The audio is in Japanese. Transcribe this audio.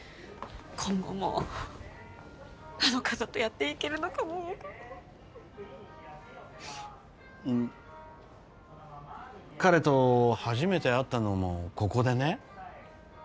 今後もあの方とやっていけるのかもう分かんない彼と初めて会ったのもここでね